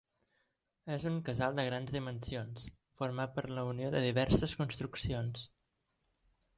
És un casal de grans dimensions, format per la unió de diverses construccions.